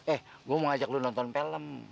eh gua mau ajak lu nonton pelem